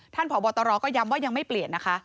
ท่านผ่อบอตรก็ย้ำว่ายังไม่เปลี่ยนนะคะ